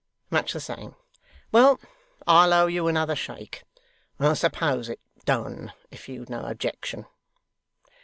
Much the same. Well, I'll owe you another shake. We'll suppose it done, if you've no objection.